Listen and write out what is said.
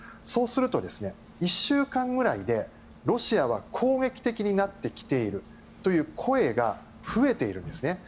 そうすると、１週間ぐらいでロシアは攻撃的になってきているという声が増えているんです。